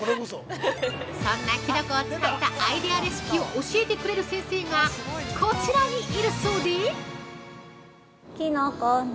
そんなきのこを使ったアイデアレシピを教えてくれる先生がこちらにいるそうで！